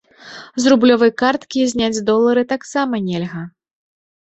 З рублёвай карткі зняць долары таксама нельга.